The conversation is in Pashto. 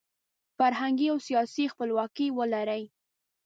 فرهنګي او سیاسي خپلواکي ولري.